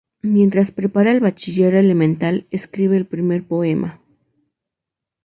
Mientras prepara el bachiller elemental, escribe el primer poema.